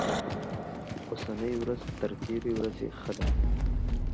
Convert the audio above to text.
اوسنۍ ورځ تر تېرې ورځې ښه ده.